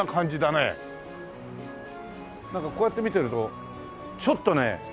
なんかこうやって見てるとちょっとね。